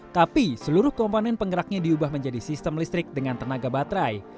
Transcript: tapi seluruh komponen penggeraknya diubah menjadi sistem listrik dengan tenaga baterai